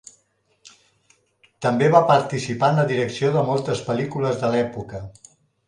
També va participar en la direcció de moltes pel·lícules de l'època.